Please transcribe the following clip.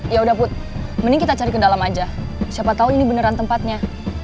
ya udah put mending kita cari ke dalam aja siapa tahu ini beneran tempatnya